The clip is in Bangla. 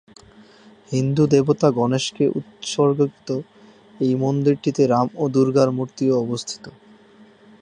হিন্দু দেবতা গণেশকে উৎসর্গীকৃত এই মন্দিরটিতে রাম ও দুর্গার মূর্তিও অবস্থিত।